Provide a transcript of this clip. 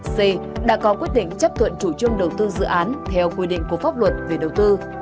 c đã có quyết định chấp thuận chủ trương đầu tư dự án theo quy định của pháp luật về đầu tư